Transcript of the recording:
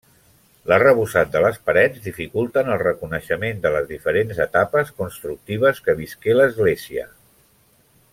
L'arrebossat de les parets dificulten el reconeixement de les diferents etapes constructives que visqué l'església.